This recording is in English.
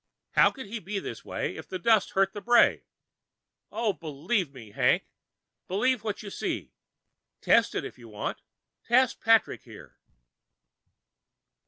How could he be this way, if the dust hurt the brave? Oh, believe me, Hank! Believe what you see. Test it if you want. Test Patrick here."